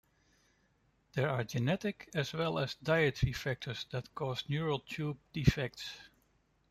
There are genetic as well as dietary factors that cause neural tube defects.